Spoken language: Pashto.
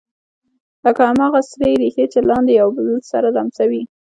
لکه هماغه سرې ریښې چې لاندې یو بل سره لمسوي